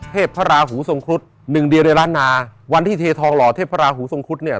พระราหูทรงครุฑหนึ่งเดียวในล้านนาวันที่เททองหล่อเทพพระราหูทรงครุฑเนี่ย